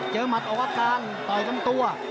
เจอหมัดออกกันต่อยทั้งตัว